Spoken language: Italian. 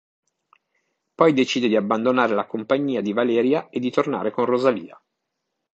Poi decide di abbandonare la compagnia di Valeria e di tornare con Rosalia.